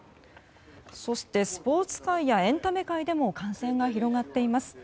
そしてスポーツ界やエンタメ界でも感染が広がっています。